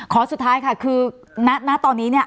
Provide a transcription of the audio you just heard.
สุดท้ายค่ะคือณตอนนี้เนี่ย